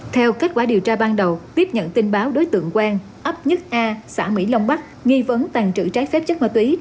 theo kết quả điều tra ban đầu tiếp nhận tin báo đối tượng quen ấp nhất a xã mỹ long bắc nghi vấn tàn trữ trái phép chất ma túy